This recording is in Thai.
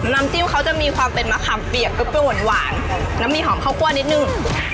น้ำจิ้มเขาจะมีความเป็นมะขามเปียกเปรี้ยวหวานน้ำมีหอมข้าวคั่วนิดนึง